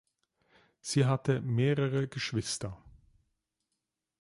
Sie hatte mehrere Geschwister.